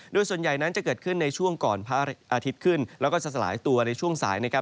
โดยส่วนใหญ่นั้นจะเกิดขึ้นในช่วงก่อนพระอาทิตย์ขึ้นแล้วก็จะสลายตัวในช่วงสายนะครับ